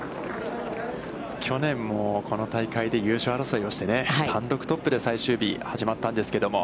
去年も、この大会で優勝争いをして、単独トップで最終日が始まったんですけれども。